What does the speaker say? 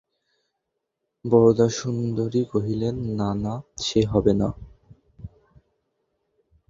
বরদাসুন্দরী কহিলেন, না না, সে হবে না।